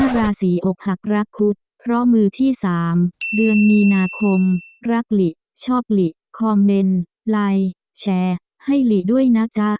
ราศีอกหักรักคุดเพราะมือที่๓เดือนมีนาคมรักหลิชอบหลีคอมเมนต์ไลน์แชร์ให้หลีด้วยนะจ๊ะ